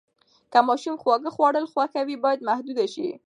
که ماشوم خواږه خوړل خوښوي، باید محدود شي.